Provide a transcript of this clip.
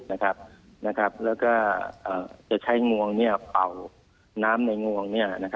แล้วก็จะใช้งวงเป่าน้ำในงวง